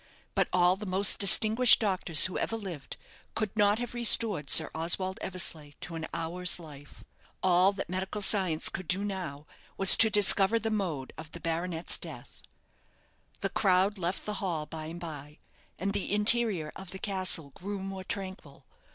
But all the most distinguished doctors who ever lived could not have restored Sir Oswald Eversleigh to an hour's life. All that medical science could do now, was to discover the mode of the baronet's death. The crowd left the hall by and by, and the interior of the castle grew more tranquil.